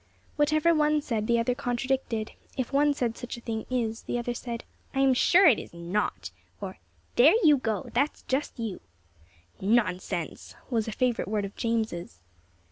Whatever one said the other contradicted; if one said such a thing is, the other said, "I am sure it is not;" or, "There you go that's just you." "Nonsense" was a favourite word of James's.